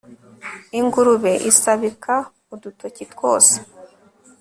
Ingurube isabika udutoki twose